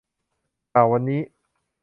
ข่าววันนี้